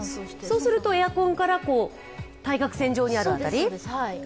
そうするとエアコンから対角線にある辺り。